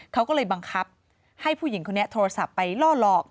เขาก็เลยบังคับให้ผู้หญิงคนนี้โทรศัพท์ไปล่อหลอก